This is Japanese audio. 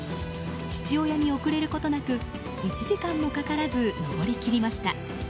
父親に遅れることなく１時間もかからず登り切りました。